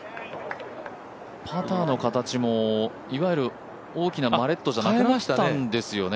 パターの形もいわゆる大きなマレットじゃなくなったんですよね。